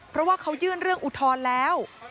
เพราะว่าเขายื่นเรื่องอุทธรณ์แล้ว